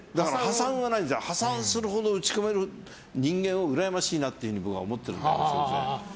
破産するほど打ち込む人間を羨ましいなと僕は思っているので。